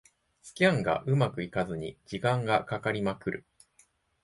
スキャンがうまくいかずに時間がかかりまくる